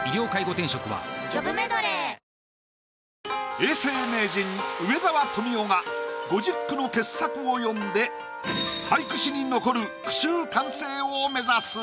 永世名人梅沢富美男が５０句の傑作を詠んで俳句史に残る句集完成を目指す。